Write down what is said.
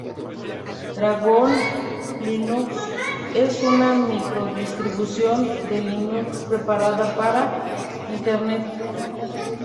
Dragon Linux es una micro-distribución de Linux preparada para Internet.